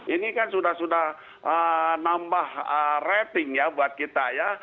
ini kan sudah sudah nambah rating ya buat kita ya